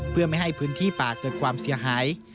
เพื่อไม่ให้พื้นที่ป่าเกิดความเสียหาย